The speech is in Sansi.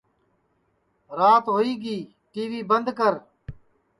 راتی ہوئی گی ٹی وی بند کر